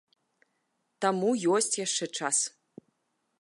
Таму ёсць яшчэ час.